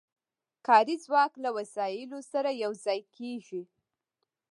کاري ځواک له وسایلو سره یو ځای کېږي